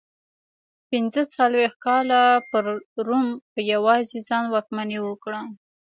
پنځه څلوېښت کاله پر روم په یوازې ځان واکمني وکړه